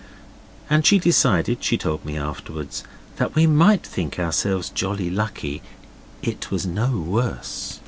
And she decided, she told me afterwards, that we might think ourselves jolly lucky it was no worse.